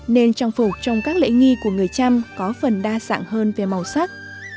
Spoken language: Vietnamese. nên trang phục trong các lễ nghi của người trăm có phần đa dạng hơn về màu sắc